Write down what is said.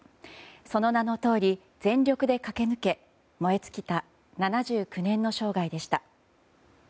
その名のとおり全力で駆け抜け燃え尽きた７９年の生涯でした。